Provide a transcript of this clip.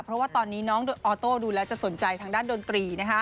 เพราะว่าตอนนี้น้องออโต้ดูแล้วจะสนใจทางด้านดนตรี